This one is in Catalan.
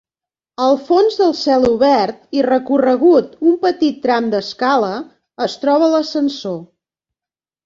Al fons del celobert, i recorregut un petit tram de l'escala, es troba l'ascensor.